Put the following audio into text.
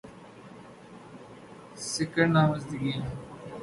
سکر نامزدگیاں